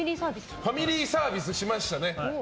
ファミリーサービスしました。